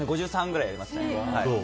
５３ぐらいやりますね。